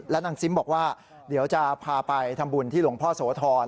นางซิมบอกว่าเดี๋ยวจะพาไปทำบุญที่หลวงพ่อโสธร